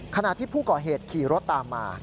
ขณะที่ผู้ก่อเหตุขี่รถตามมา